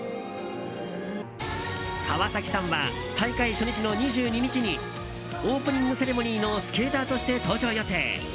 川崎さんは大会初日の２２日にオープニングセレモニーのスケーターとして登場予定。